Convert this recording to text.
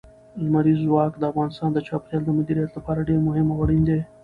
لمریز ځواک د افغانستان د چاپیریال د مدیریت لپاره ډېر مهم او اړین دي.